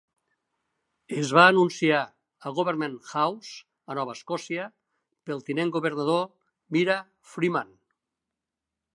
Es va anunciar a Government House a Nova Escòcia pel tinent-governador Myra Freeman.